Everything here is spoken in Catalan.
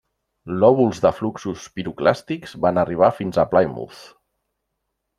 Lòbuls de fluxos piroclàstics van arribar fins a Plymouth.